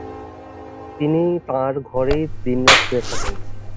তিনি তাঁর ঘরেই দিনরাত শুয়ে থাকেন।